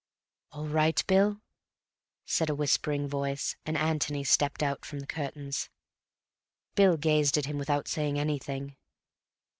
"All right, Bill," said a whispering voice, and Antony stepped out from the curtains. Bill gazed at him without saying anything.